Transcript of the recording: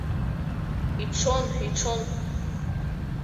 Ицон, ицон!